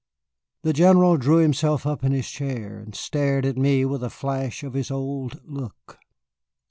The General drew himself up in his chair and stared at me with a flash of his old look.